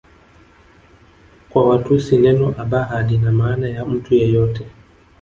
Kwa Watusi neno Abaha lina maana ya mtu yeyote